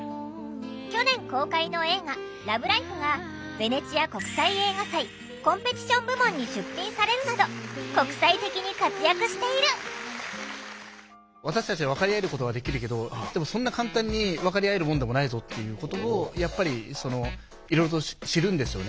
去年公開の映画「ＬＯＶＥＬＩＦＥ」がベネチア国際映画祭コンペティション部門に出品されるなど国際的に活躍している私たちは分かり合えることはできるけどでもそんな簡単に分かり合えるもんでもないぞっていうことをやっぱりいろいろと知るんですよね。